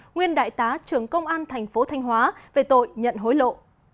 nguyên đại tá trưởng công an thành phố thanh hóa về tội nhận hối lộ